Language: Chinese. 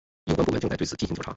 有关部门正在对此进行调查。